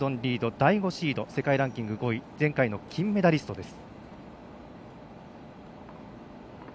第５シード、世界ランキング５位前回の金メダリストです。